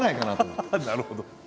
なるほど。